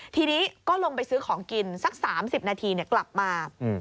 ทีนี้ก็ลงไปซื้อของกินสัก๓๐นาทีกลับมา